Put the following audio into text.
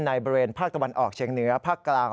ในบริเวณภาคตะวันออกเชียงเหนือภาคกลาง